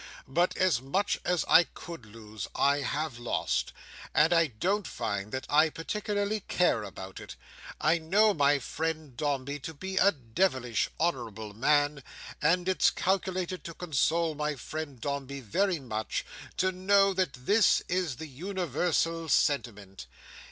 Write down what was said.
But as much as I could lose, I have lost; and I don't find that I particularly care about it. I know my friend Dombey to be a devilish honourable man; and it's calculated to console my friend Dombey very much, to know, that this is the universal sentiment.